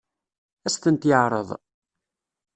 Ad as-tent-yeɛṛeḍ?